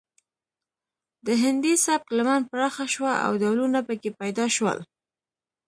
د هندي سبک لمن پراخه شوه او ډولونه پکې پیدا شول